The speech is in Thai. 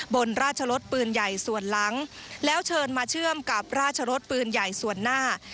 บนราชรสปืนใหญ่ส่วนหลังแล้วเชิญมาเชื่อมกับราชรสปืนใหญ่ส่วนหน้า